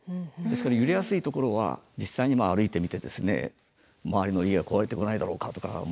ですから揺れやすいところは実際に歩いてみて周りの家は壊れてこないだろうかとか。